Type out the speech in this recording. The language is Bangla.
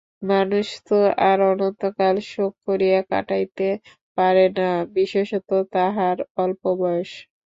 মানুষ তো আর অনন্তকাল শোক করিয়া কাটাইতে পারে না, বিশেষত তাঁহার অল্প বয়স।